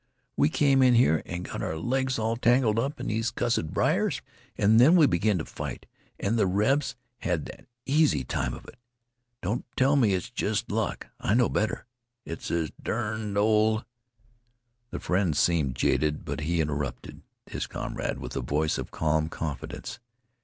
We came in here and got our legs all tangled up in these cussed briers, and then we begin to fight and the rebs had an easy time of it. Don't tell me it's just luck! I know better. It's this derned old " The friend seemed jaded, but he interrupted his comrade with a voice of calm confidence.